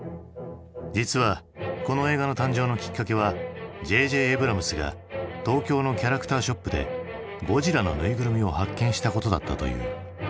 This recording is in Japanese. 実はこの映画の誕生のきっかけはＪ・Ｊ・エイブラムスが東京のキャラクターショップでゴジラのぬいぐるみを発見したことだったという。